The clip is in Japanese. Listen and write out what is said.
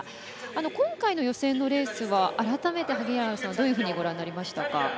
今回の予選のレースは改めて萩原さんはどういうふうにご覧になりましたか。